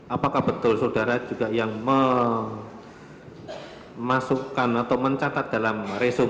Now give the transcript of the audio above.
apakah betul saudara juga yang memasukkan atau mencatat dalam resum